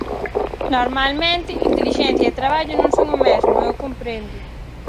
Normalmente, intelixencia e traballo non son o mesmo, e eu compréndoo.